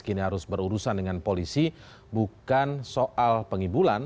kini harus berurusan dengan polisi bukan soal pengibulan